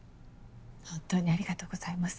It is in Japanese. ホントにありがとうございます。